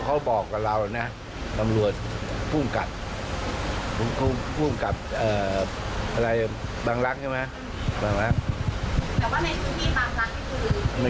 คือเอาจริงนะเรื่องของเรื่องนี้